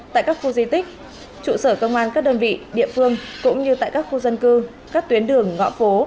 tại các khu di tích trụ sở công an các đơn vị địa phương cũng như tại các khu dân cư các tuyến đường ngõ phố